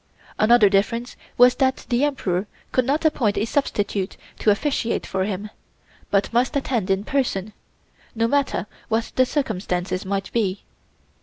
Another difference was that the Emperor could not appoint a substitute to officiate for him; but must attend in person, no matter what the circumstances might be.